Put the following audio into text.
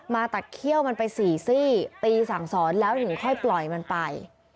ตัดเขี้ยวมันไปสี่ซี่ตีสั่งสอนแล้วถึงค่อยปล่อยมันไป